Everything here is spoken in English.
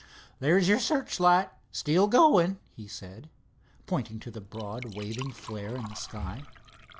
"There's your searchlight still going," he said, pointing to the broad waving flare in the sky.